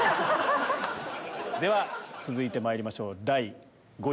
では続いてまいりましょう第５位です。